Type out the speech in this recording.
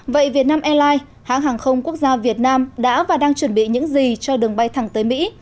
vậy việt nam airlines hãng hàng không quốc gia việt nam đã và đang chuẩn bị những gì cho đường bay thẳng tới mỹ